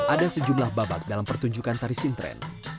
ada sejumlah babak dalam pertunjukan tari sintren